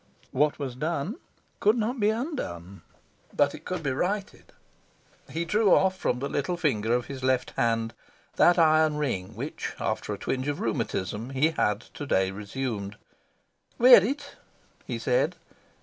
What was done could not be undone; but it could be righted. He drew off from the little finger of his left hand that iron ring which, after a twinge of rheumatism, he had to day resumed. "Wear it," he said.